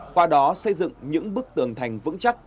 qua đó xây dựng những bức tường thành vững chắc